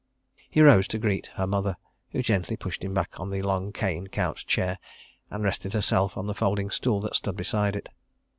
... He rose to greet her mother—who gently pushed him back on the long cane couch chair and rested herself on the folding stool that stood beside it.